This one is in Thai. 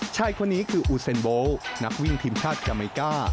ชายคนนี้คืออูเซนโบนักวิ่งทีมชาติกาเมก้า